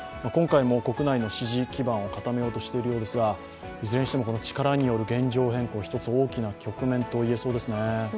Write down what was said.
今回も国内の支持基盤を固めようとしているようですがいずれにしても力による現状変更、１つ大きな局面と言えそうですね。